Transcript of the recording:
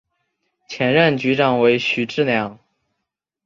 前任局长为许志梁。